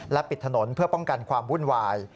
ปิดถนนเพื่อป้องกันความวุ่นวาย